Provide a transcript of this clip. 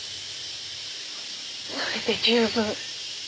それで十分。